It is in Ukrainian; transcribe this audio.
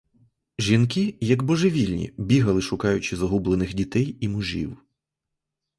Жінки, як божевільні, бігали, шукаючи загублених дітей і мужів.